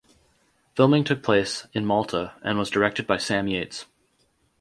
Filming took place in Malta and was directed by Sam Yates.